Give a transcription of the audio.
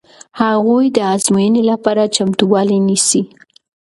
هغوی د ازموینې لپاره چمتووالی نیسي.